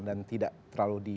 dan tidak perlu dikhawatirkan